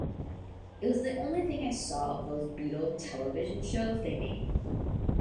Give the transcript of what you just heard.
It was the only thing I saw of those Beatles television shows they made.